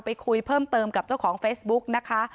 ไปคุยเพิ่มเติมกับเจ้าของเฟซบุ๊กนะคะ